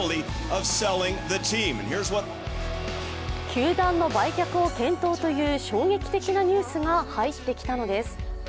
球団の売却を検討という衝撃的なニュースが入ってきたのです。